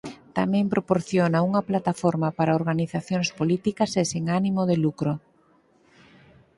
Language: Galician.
Tamén proporciona unha plataforma para organizacións políticas e sen ánimo de lucro.